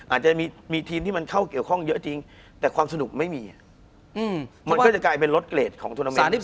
อาจจะมีทีมที่มันเข้าเกี่ยวข้องเยอะจริงแต่ความสนุกไม่มีมันก็จะกลายเป็นรถเกรดของทวนาเมน